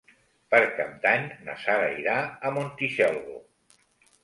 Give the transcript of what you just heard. Per Cap d'Any na Sara irà a Montitxelvo.